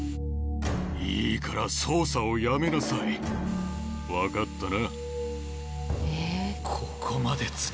いいから捜査をやめなさい分かったな